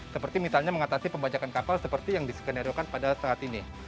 seperti misalnya mengatasi pembajakan kapal seperti yang diskenariokan pada saat ini